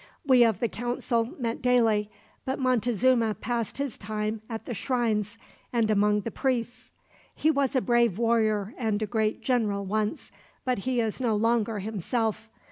"We of the council met daily, but Montezuma passed his time at the shrines and among the priests. He was a brave warrior and a great general, once, but he is no longer himself.